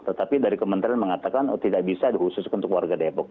tetapi dari kementerian mengatakan tidak bisa khusus untuk warga depok